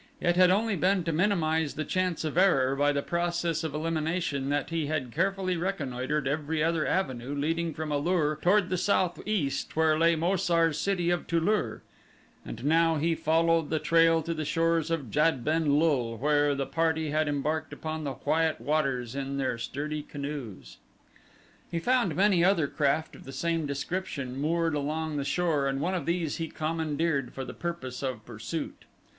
It had only been to minimize the chance of error by the process of elimination that he had carefully reconnoitered every other avenue leading from A lur toward the southeast where lay Mo sar's city of Tu lur, and now he followed the trail to the shores of Jad ben lul where the party had embarked upon the quiet waters in their sturdy canoes. He found many other craft of the same description moored along the shore and one of these he commandeered for the purpose of pursuit.